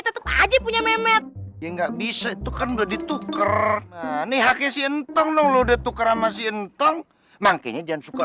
tetep aja punya mehmet ya nggak bisa